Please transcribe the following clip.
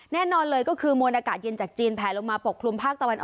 แน่นอนเลยก็คือมวลอากาศเย็นจากจีนแผลลงมาปกคลุมภาคตะวันออก